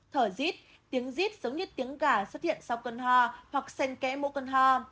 thở rít tiếng rít giống như tiếng gà xuất hiện sau cơn hoa hoặc sen kẽ mũ cơn hoa